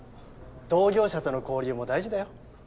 同業者との交流も大事だよ。